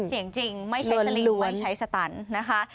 จริงไม่ใช้สลิงไม่ใช้สตันนะคะ